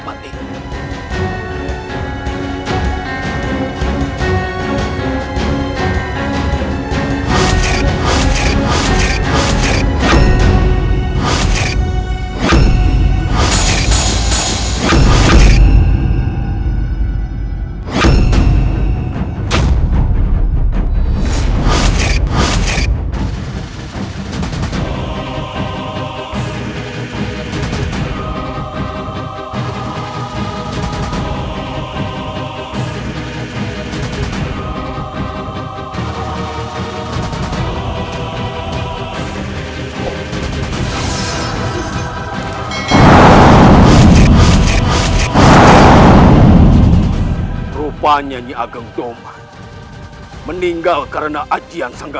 dan membahayakan rakyatiscoh